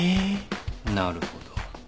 なるほど。